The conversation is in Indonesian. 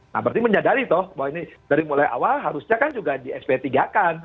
nah berarti menyadari toh bahwa ini dari mulai awal harusnya kan juga di sp tiga kan